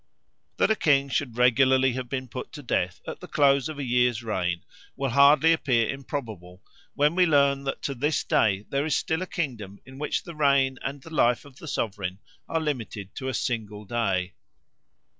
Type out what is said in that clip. That a king should regularly have been put to death at the close of a year's reign will hardly appear improbable when we learn that to this day there is still a kingdom in which the reign and the life of the sovereign are limited to a single day.